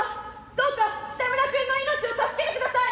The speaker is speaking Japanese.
どうかキタムラ君の命を助けてください！